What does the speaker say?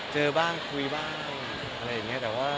เจอบ้างคุยบ้าง